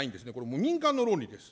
民間の論理です。